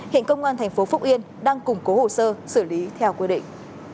hiện công an tp phúc yên đang củng cố hồ sơ xử lý theo quy định